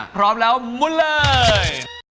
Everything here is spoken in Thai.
พร้อมแล้วมุนเลย